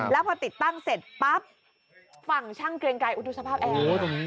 แล้วพอติดตั้งเสร็จปั๊บฝั่งช่างเกรงไกรดูสภาพแอร์